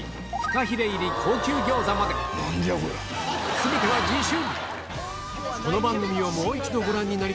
全ては次週！